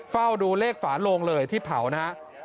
เฝ้าดูเลขฝาโลงเลยที่เผานะครับ